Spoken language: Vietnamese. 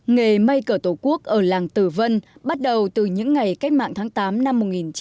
nghề may cờ tổ quốc ở làng tử vân bắt đầu từ những ngày cách mạng tháng tám năm một nghìn chín trăm bốn mươi năm